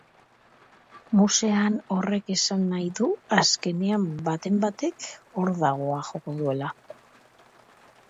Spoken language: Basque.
Musean horrek esan nahi du azkenean baten batek hordagoa joko duela.